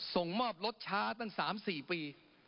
ส่งมอบรถช้าตั้ง๓๔ปี